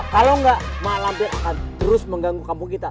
kalau enggak mak lampir akan terus mengganggu kampung kita